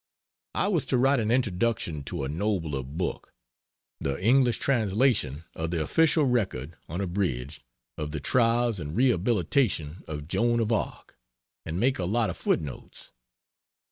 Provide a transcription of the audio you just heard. I was to write an introduction to a nobler book the English translation of the Official Record (unabridged) of the Trials and Rehabilitation of Joan of Arc, and make a lot of footnotes.